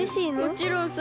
もちろんさ。